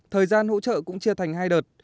thời gian hỗ trợ cũng chia thành hai đợt